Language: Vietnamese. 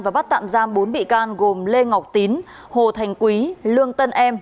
và bắt tạm giam bốn bị can gồm lê ngọc tín hồ thành quý lương tân em